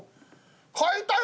「書いたよ！